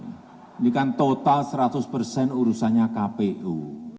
ini kan total seratus persen urusannya kpu